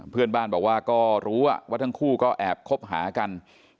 เพื่อนบ้านบอกว่าก็รู้ว่าทั้งคู่ก็แอบคบหากัน